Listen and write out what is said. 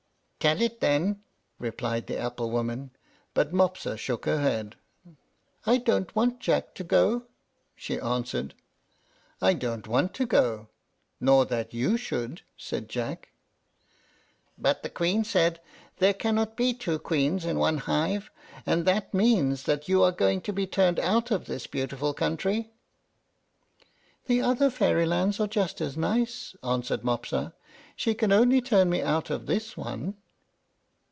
"Tell it then," replied the apple woman; but Mopsa shook her head. "I don't want Jack to go," she answered. "I don't want to go, nor that you should," said Jack. "But the Queen said, 'there cannot be two queens in one hive,' and that means that you are going to be turned out of this beautiful country." "The other fairy lands are just as nice," answered Mopsa; "she can only turn me out of this one."